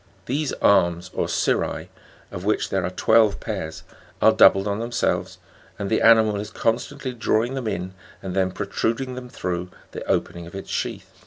These arms or cirri, of which there are twelve pairs, are doubled on themselves, and the animal is con stantly drawing them in and then protruding them through the opening of its sheath.